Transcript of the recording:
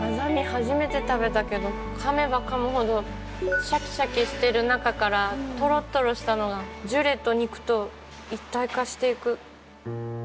初めて食べたけどかめばかむほどシャキシャキしてる中からトロトロしたのがジュレと肉と一体化していく。